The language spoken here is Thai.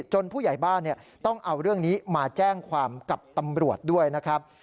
ผู้ใหญ่บ้านต้องเอาเรื่องนี้มาแจ้งความกับตำรวจด้วยนะครับ